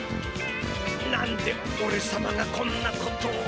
何でおれさまがこんなことを。